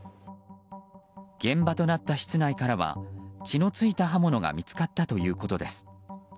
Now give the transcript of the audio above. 現場となった室内からは血の付いた刃物が見つかったということです。